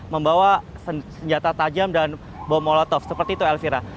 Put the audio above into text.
membawa senjata tajam dan bom molotov seperti itu elvira